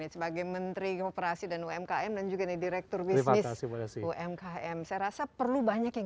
sebagai menteri kooperasi dan umkm dan juga direktur bisnis umkm saya rasa perlu banyak yang